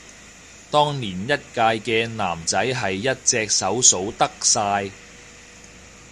當年一屆嘅男仔係一隻手數得晒